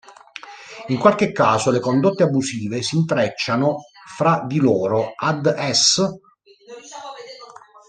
In qualche caso le condotte abusive si intrecciano fra di loro, ad es.